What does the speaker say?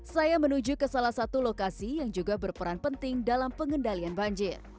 saya menuju ke salah satu lokasi yang juga berperan penting dalam pengendalian banjir